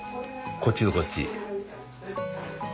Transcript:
こっちとこっち。